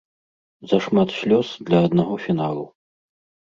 Зашмат слёз для аднаго фіналу.